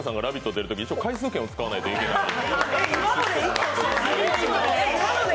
出るときは一応回数券を使わないといけないので。